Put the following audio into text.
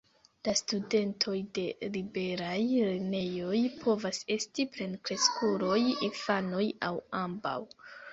La studentoj de liberaj lernejoj povas esti plenkreskuloj, infanoj aŭ ambaŭ.